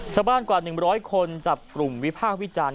กว่า๑๐๐คนจับกลุ่มวิพากษ์วิจารณ์